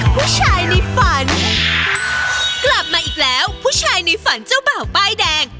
ผู้ชายในฝันกลับมาอีกแล้วผู้ชายในฝันเจ้าบ่าวป้ายแดง